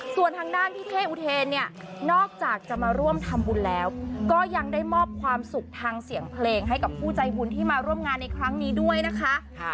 ส่วนทางด้านพี่เท่อุเทนเนี่ยนอกจากจะมาร่วมทำบุญแล้วก็ยังได้มอบความสุขทางเสียงเพลงให้กับผู้ใจบุญที่มาร่วมงานในครั้งนี้ด้วยนะคะ